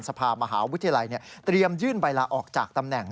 ภามหาวิทยาลัยเตรียมยื่นใบลาออกจากตำแหน่ง